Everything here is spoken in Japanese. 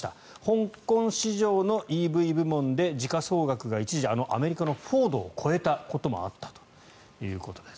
香港市場のＥＶ部門で時価総額が一時あのアメリカのフォードを超えたこともあったということです。